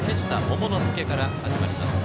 桃之介から始まります。